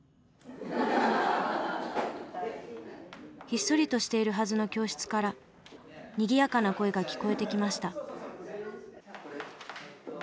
ひっそりとしているはずの教室からにぎやかな声が聞こえてきました。